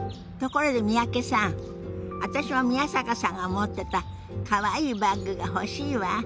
ところで三宅さん私も宮坂さんが持ってたかわいいバッグが欲しいわ。